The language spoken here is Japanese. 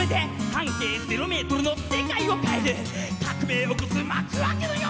「半径０ｍの世界を変える革命起こす幕開けの夜」